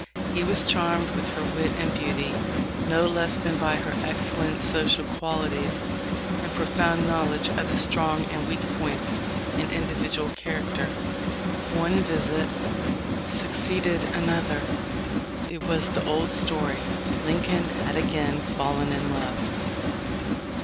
He was charmed with her wit and beauty, no less than by her excellent social qualities and profound knowledge of the strong and weak points in individual character. One visit suc ceeded another. It was the old story. Lincoln had again fallen in love.